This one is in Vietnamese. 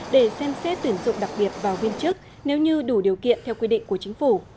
để xem xét tuyển dụng đặc biệt vào viên chức nếu như đủ điều kiện theo quy định của chính phủ